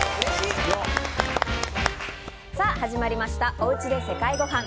おうちで世界ごはん。